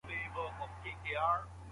سړي سمدستي کلا ته کړی دننه